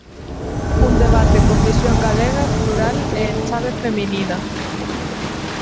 Un debate con visión galega, plural e en chave feminina.